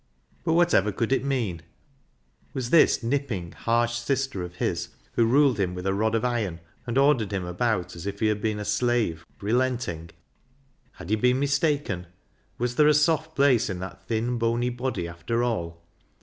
But whatever could it mean ? Was this nipping, harsh sister of his, who ruled him with a rod of iron, and ordered him about as if he had been a slave, relenting ? Had he been mistaken ? Was there a soft place in that thin, bony body after all?